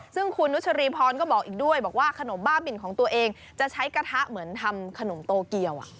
ซึ่งคุณนุชรีพรก็บอกอีกด้วยบอกว่าขนมบ้าบินของตัวเองจะใช้กระทะเหมือนทำขนมโตเกียว